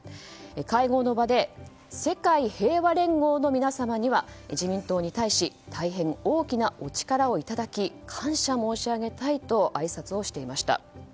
会合の場で世界平和連合の皆様には自民党に対し大変大きなお力をいただき感謝申し上げたいとあいさつをしていました。